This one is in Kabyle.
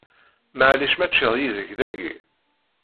Maɛlic ma ččiɣ yid-k dagi?